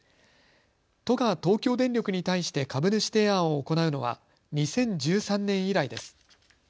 都が東京電力に対して株主提案を行うのは２０１３年以来です。